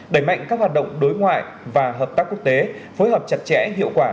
đẩy mạnh các hoạt động đối ngoại và hợp tác quốc tế phối hợp chặt chẽ hiệu quả